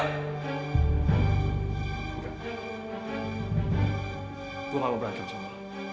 aku gak mau berantem sama lo